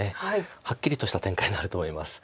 はっきりとした展開になると思います。